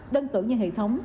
đơn tử như hệ thống